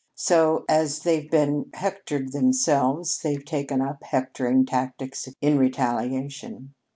So, as they've been hectored themselves, they've taken up hectoring tactics in retaliation.